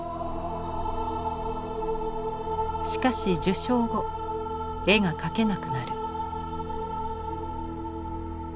しかし受賞後絵が描けなくなる。